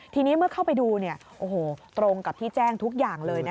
ทีนี้เมื่อเข้าไปดูตรงกับที่แจ้งทุกอย่างเลย